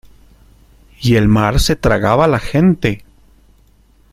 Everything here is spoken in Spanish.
y el mar se tragaba la gente.